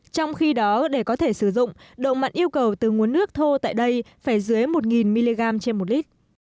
trong khi đó để có thể sử dụng độ mặn yêu cầu từ nguồn nước thô tại đây phải dưới một mg trên một lít